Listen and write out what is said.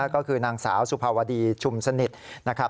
ก็คือนางสาวสุภาวดีชุมสนิทนะครับ